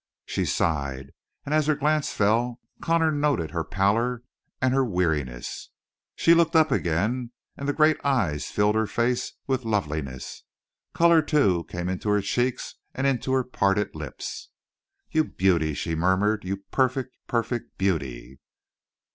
She sighed, and as her glance fell Connor noted her pallor and her weariness. She looked up again, and the great eyes filled her face with loveliness. Color, too, came into her cheeks and into her parted lips. "You beauty!" she murmured. "You perfect, perfect beauty!"